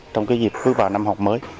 trong dịp bước vào năm học mới